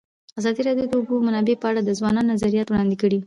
ازادي راډیو د د اوبو منابع په اړه د ځوانانو نظریات وړاندې کړي.